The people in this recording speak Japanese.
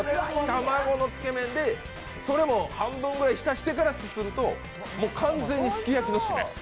卵のつけ麺でそれも半分くらい浸してからすすると、完全にすき焼きのシメ。